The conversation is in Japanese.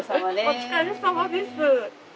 お疲れさまです。